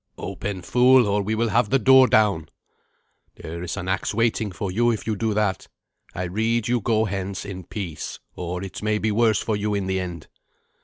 "Open, fool, or we will have the door down." "There is an axe waiting for you if you do that. I rede you go hence in peace, or it may be worse for you in the end."